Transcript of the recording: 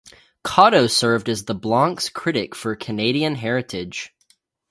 Kotto served as the Bloc's critic for Canadian heritage.